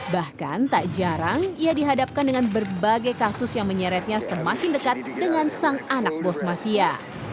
bahkan tak jarang ia dihadapkan dengan berbagai kasus yang menyeretnya semakin dekat dengan sang anak bos mafia